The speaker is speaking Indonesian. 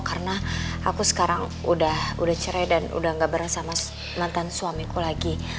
karena aku sekarang udah cerai dan udah gak bareng sama mantan suamiku lagi